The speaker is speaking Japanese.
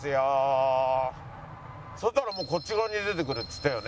そしたらもうこっち側に出てくるっつったよね？